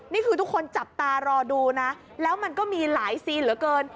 นี่คือทุกคนจับตารอดูนะแล้วมันก็มีหลายซีนเหลือเกิน